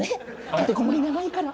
立てこもり長いから。